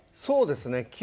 そうですね。